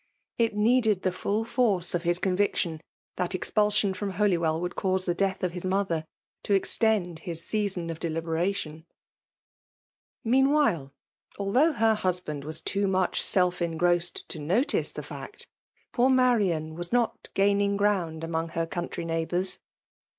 It needed the fidl force of his conviction, that expulsion irom Holywell would cause the death of his mother, to extend his season of deliberation ! Meanwhile, although her husband was too much self engrossed to notice the fact, poor Marian was not gaining ground among her country neighbours.